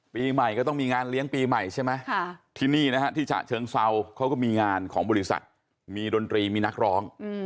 ปีใหม่ก็ต้องมีงานเลี้ยงปีใหม่ใช่ไหมที่นี่นะฮะที่ฉะเชิงเซาเขาก็มีงานของบริษัทมีดนตรีมีนักร้อง